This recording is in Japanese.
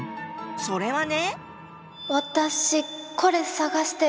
それはね。